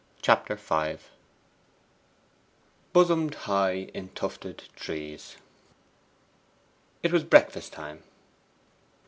Chapter V 'Bosom'd high in tufted trees.' It was breakfast time.